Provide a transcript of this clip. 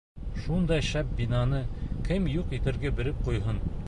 — Шундай шәп бинаны кем юҡ итергә биреп ҡуйһын!